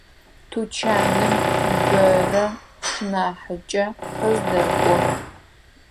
Тучаным бэра сшынахьыкӏэ къыздэкӏо.